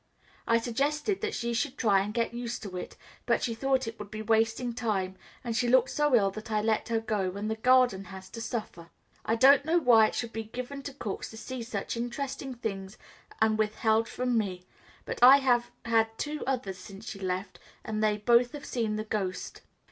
I suggested that she should try and get used to it; but she thought it would be wasting time, and she looked so ill that I let her go, and the garden has to suffer. I don't know why it should be given to cooks to see such interesting things and withheld from me, but I have had two others since she left, and they both have seen the ghost.